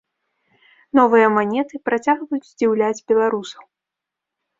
Новыя манеты працягваюць здзіўляць беларусаў.